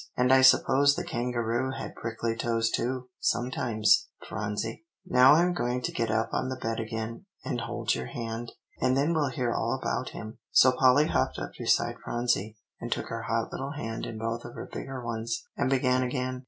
And I suppose the kangaroo had prickly toes too, sometimes, Phronsie. Now I'm going to get up on the bed again, and hold your hand, and then we'll hear all about him." So Polly hopped up beside Phronsie, and took her hot little hand in both of her bigger ones, and began again.